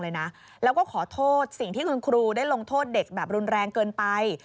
แล้วก็ขอโทษสิ่งที่คุณครูได้ลงโทษเด็กแบบรุนแรงเกินไป